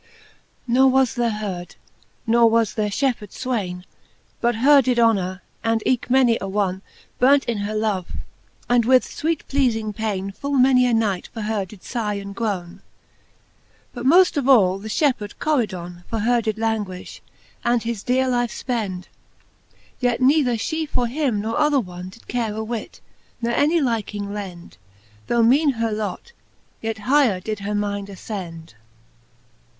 X. Ne was there heard, ne was there fhepheards fwayne But her did honour, and eke many a one Burnt in her love, and with fweet pleafing payne Full many a night for her did figh and grone : But moft of all the ihepheard Coridon For her did languifh, and his deare life Ipend ; Yet nether fhe for him, nor other none Did care a whit, ne any liking lend: Though meane her lot, yet higher did her mind afcend.